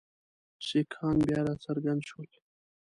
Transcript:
سیکهان بیا را څرګند شول.